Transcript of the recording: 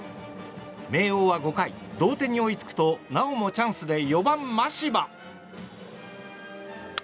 明桜は５回同点に追いつくとなおもチャンスで４番、真柴。